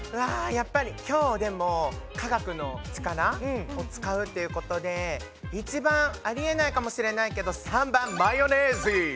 今日でも科学の力を使うということで一番ありえないかもしれないけど３番マヨネージィ。